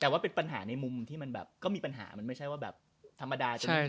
แต่ว่าเป็นปัญหาในมุมที่มันแบบก็มีปัญหามันไม่ใช่ว่าแบบธรรมดาจน